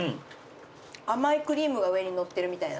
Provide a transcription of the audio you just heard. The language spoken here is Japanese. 甘いクリームが上に載ってるみたいな。